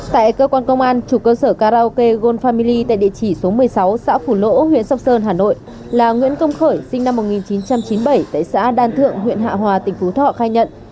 tại cơ quan công an chủ cơ sở karaoke gold farmy tại địa chỉ số một mươi sáu xã phủ lỗ huyện sóc sơn hà nội là nguyễn công khởi sinh năm một nghìn chín trăm chín mươi bảy tại xã đan thượng huyện hạ hòa tỉnh phú thọ khai nhận